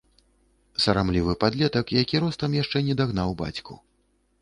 Сарамлівы падлетак, які ростам яшчэ не дагнаў бацьку.